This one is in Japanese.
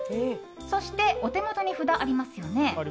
そしてお手元に札がありますよね。